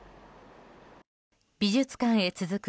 美術館へ続く